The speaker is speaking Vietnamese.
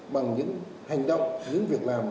bằng những hành động những việc làm